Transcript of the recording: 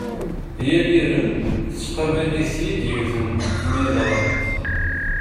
Yal irem tettqabal-it-id yiwet n tmiḍrant.